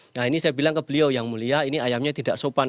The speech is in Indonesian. nah ini saya bilang ke beliau yang mulia ini ayamnya tidak sopan